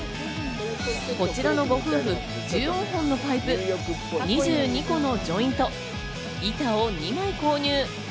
こちらのご夫婦、１４本のパイプ、２２個のジョイント、板を２枚購入。